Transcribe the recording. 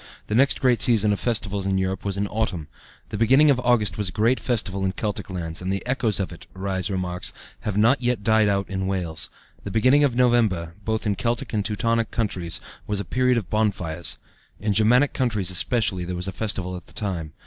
The next great season of festivals in Europe was in autumn. The beginning of August was a great festival in Celtic lands, and the echoes of it, Rhys remarks, have not yet died out in Wales. The beginning of November, both in Celtic and Teutonic countries, was a period of bonfires. In Germanic countries especially there was a great festival at the time.